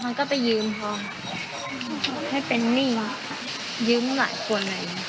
มันก็ไปยืมให้เป็นนี่หรือก็ตื่นการ